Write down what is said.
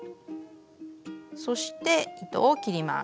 そして糸を切ります。